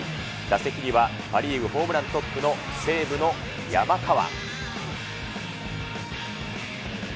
打席には、パ・リーグホームラントップの西武の山川。